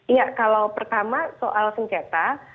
iya kalau pertama soal sengketa